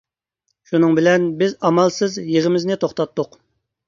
شۇنىڭ بىلەن بىز ئامالسىز يىغىمىزنى توختاتتۇق.